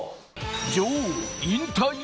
女王、引退！